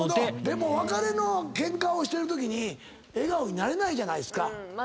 でも別れのケンカをしてるときに笑顔になれないじゃないですか。